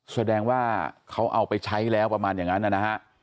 แสดงว่าเขาเอาไปใช้แล้วประมาณอย่างนั้นนะฮะ